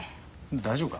大丈夫か？